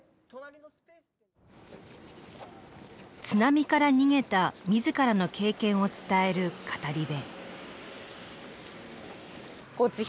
津波から逃げた自らの経験を伝える語り部。